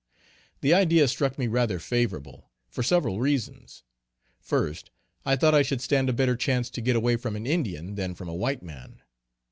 The idea struck me rather favorable, for several reasons. First, I thought I should stand a better chance to get away from an Indian than from a white man.